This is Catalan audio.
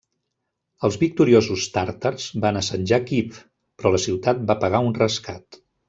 Els victoriosos tàrtars van assetjar Kíev, però la ciutat va pagar un rescat.